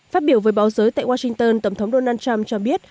phát biểu với báo giới tại washington tổng thống donald trump cho biết